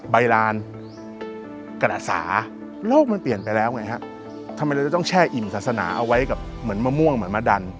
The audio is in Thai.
ใบลานกระดาษสาโลกมันเปลี่ยนไปแล้วไงฮะทำไมเราจะต้องแช่อิ่มศาสนาเอาไว้กับเหมือนมะม่วงเหมือนมะดัน